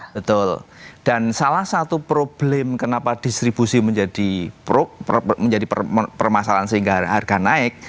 betul dan salah satu problem kenapa distribusi menjadi permasalahan sehingga harga naik